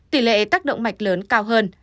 tỷ lệ tác động mạch lớn cao hơn